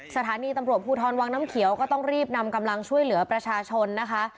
สถานีตำรวจภูทรวังน้ำเขียวก็ต้องรีบนำกำลังช่วยเหลือประชาชนนะคะ